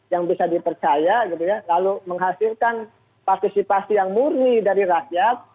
yang bisa dipercaya gitu ya lalu menghasilkan partisipasi yang murni dari rakyat